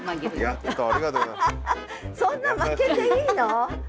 そんなまけていいの？